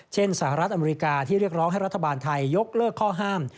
สหรัฐอเมริกาที่เรียกร้องให้รัฐบาลไทยยกเลิกข้อห้าม